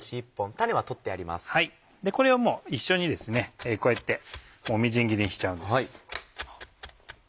これはもう一緒にこうやってみじん切りにしちゃうんです。